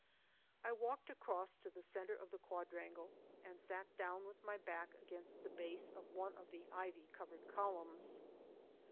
I walked across to the center of the quadrangle and sat down with my back against the base of one of the ivy covered colunms.